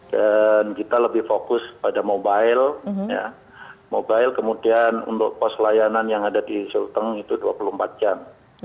kita lebih fokus pada mobile mobile kemudian untuk pos layanan yang ada di sulteng itu dua puluh empat jam